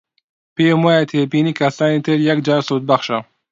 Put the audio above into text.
پێم وایە تێبینی کەسانی تر یەکجار سوودبەخشە